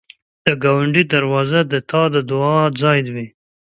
د ګاونډي دروازه د تا د دعا ځای وي